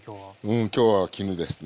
うん今日は絹ですね。